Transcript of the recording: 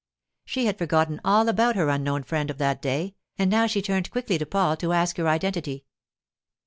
She had forgotten all about her unknown friend of that day, and now she turned quickly to Paul to ask her identity.